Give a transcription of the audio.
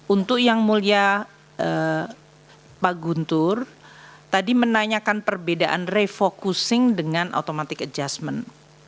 untuk yang mulia pak guntur tadi menanyakan perbedaan refocusing dengan automatic adjustment